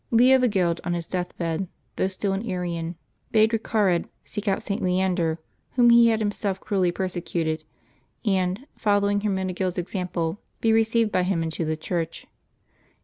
Leovigild on his death bed, though still an Arian, bade Recared seek out St. Leander, whom he had himself cruelly persecuted, and, following Hermenegild's example, be re ceived by him into the Church.